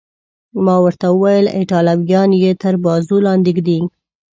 ما ورته وویل: ایټالویان یې تر بازو لاندې ږدي.